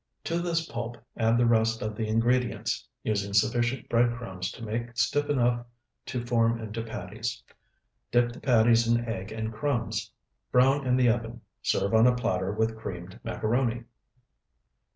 To this pulp add the rest of the ingredients, using sufficient bread crumbs to make stiff enough to form into patties. Dip the patties in egg and crumbs. Brown in the oven. Serve on a platter with creamed macaroni.